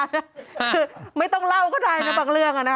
คือไม่ต้องเล่าก็ได้นะบางเรื่องอะนะ